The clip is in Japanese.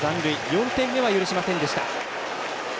４点目は許しませんでした。